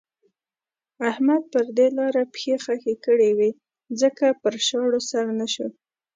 احمد پر دې لاره پښې خښې کړې وې ځکه پر شاړو سر نه شو.